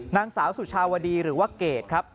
นางสาวสุชาวดีหรือว่าเกรดครับ